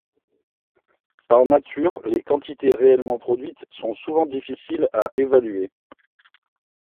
Par nature, les quantités réellement produites sont souvent difficiles à évaluer.